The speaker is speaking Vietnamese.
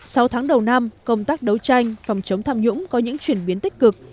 sau tháng đầu năm công tác đấu tranh phòng chống tham nhũng có những chuyển biến tích cực